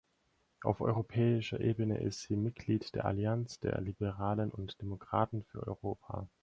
Auf europäischer Ebene ist sie Mitglied der Allianz der Liberalen und Demokraten für Europa.